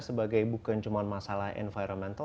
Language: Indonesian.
sebagai bukan cuma masalah environmental